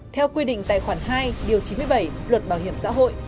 theo quy định tài khoản hai điều chín mươi bảy luật bảo hiểm xã hội